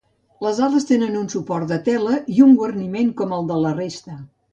Les ales tenen un suport de tela i un guarniment com el de la resta.